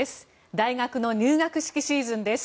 大学の入学式シーズンです。